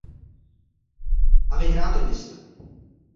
A vyhráli byste.